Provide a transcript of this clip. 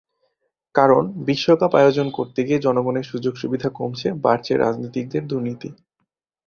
কারণ, বিশ্বকাপ আয়োজন করতে গিয়ে জনগণের সুযোগ-সুবিধা কমছে, বাড়ছে রাজনীতিকদের দুর্নীতি।